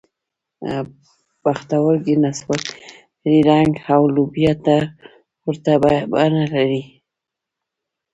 پښتورګي نسواري رنګ او لوبیا ته ورته بڼه لري.